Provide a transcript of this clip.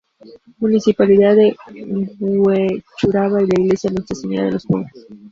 Municipalidad de Huechuraba y la iglesia Nuestra Señora de los Pobres.